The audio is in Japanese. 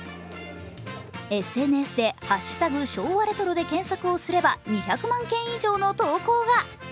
ＳＮＳで「＃昭和レトロ」で検索をすれば２００万件以上の投稿が。